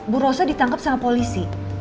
bu rosa ditangkap sama polisi